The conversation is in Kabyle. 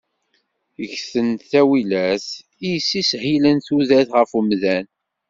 Ggten ttawilat i yessishilen tudert ɣef umdan.